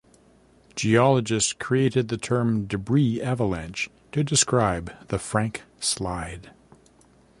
Geologists created the term "debris avalanche" to describe the Frank Slide.